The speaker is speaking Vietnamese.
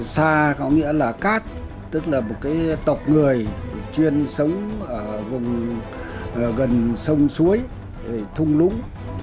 sa có nghĩa là cát tức là một tộc người chuyên sống gần sông suối thung lũng